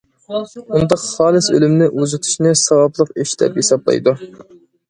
بۇنداق خالىس ئۆلۈمنى ئۇزىتىشنى ساۋابلىق ئىش دەپ ھېسابلايدۇ.